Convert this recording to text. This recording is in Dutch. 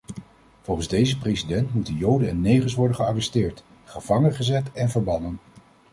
Volgens deze president moeten joden en negers worden gearresteerd, gevangengezet en verbannen.